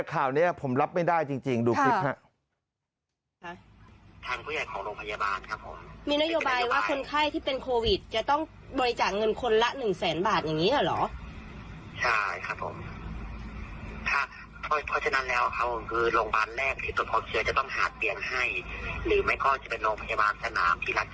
ข้าวนี้ผมรับไม่ได้จริงจริงดูคลิปทางผู้ใหญ่ของโรงพยาบาลครับผม